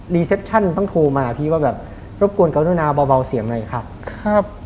รีเซปชั่นต้องโทรมาพี่ว่าแบบรบกวนเกาหนุนาเบาเสียงอะไรครับ